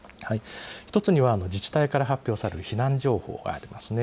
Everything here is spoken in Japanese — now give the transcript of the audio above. １つには、自治体から発表される避難情報がありますね。